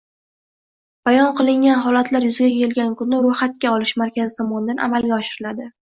bayon qilingan holatlar yuzaga kelgan kunda ro‘yxatga olish markazi tomonidan amalga oshiriladi.